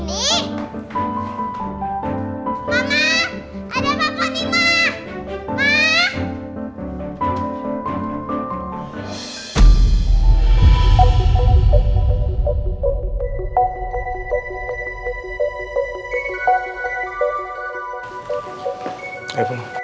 mama ada papa nih ma